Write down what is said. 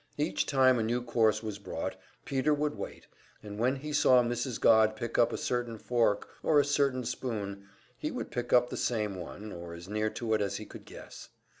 Each time a new course was brought, Peter would wait, and when he saw Mrs. Godd pick up a certain fork or a certain spoon, he would pick up the same one, or as near to it as he could guess.